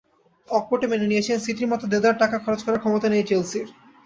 অকপটে মেনে নিয়েছেন, সিটির মতো দেদার টাকা খরচ করার ক্ষমতা নেই চেলসির।